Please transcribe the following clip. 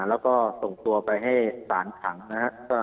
แล้วก็ส่งตัวไปให้สารขังนะครับ